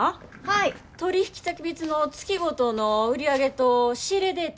取引先別の月ごとの売り上げと仕入れデータ